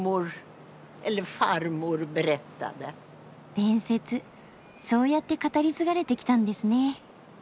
伝説そうやって語り継がれてきたんですね。